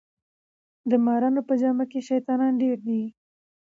د مارانو په جامه شیطانان ډیر دي